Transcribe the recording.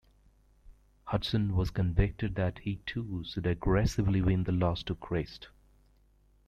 Hutson was convicted that he too should aggressively win the lost to Christ.